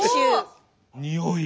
におい？